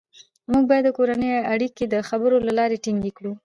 موږ باید د کورنۍ اړیکې د خبرو له لارې ټینګې کړو